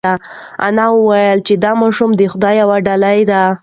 انا وویل چې دا ماشوم د خدای یوه ډالۍ ده.